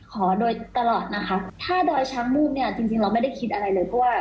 ขอโดยตลอดนะคะถ้าดอยช้างมูกเนี่ยจริงเราไม่ได้คิดอะไรเลยเพราะว่า